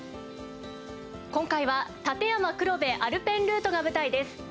今回は立山黒部アルペンルートが舞台です。